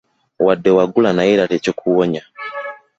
Wadde wawangula naye era tekikuwonya.